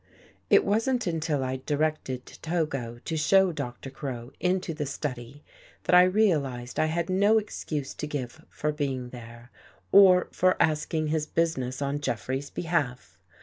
It wasn't until I'd directed Togo to show Doctor Crow Into the study, that I realized I had no excuse to give for being there, or for asking his business on Jeffrey's behalf.